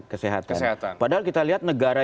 kesehatan padahal kita lihat negara